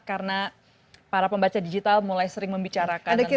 karena para pembaca digital mulai sering membicarakan tentang aroma karsa